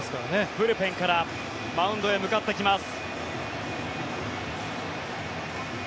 ブルペンからマウンドへ向かってきます。